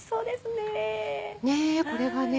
ねこれがね